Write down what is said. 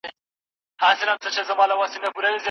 د زړه زخمونه مي د اوښکو له ګرېوانه نه ځي